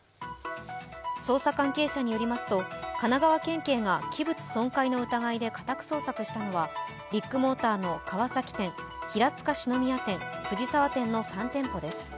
捜査関係者によりますと神奈川県警が器物損壊の疑いで家宅捜索したのはビッグモーターの川崎店平塚四之宮店、藤沢店の３店舗です。